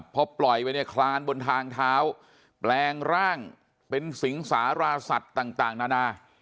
พอปล่อยไปเนี่ยคลานบนทางเท้าแปลงร่างเป็นสิงสาราสัตว์ต่างนานา